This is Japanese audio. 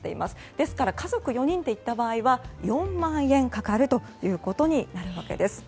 ですから、家族４人で行った場合４万円かかることになるわけです。